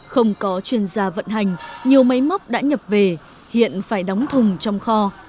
không có chuyên gia vận hành nhiều máy móc đã nhập về hiện phải đóng thùng trong kho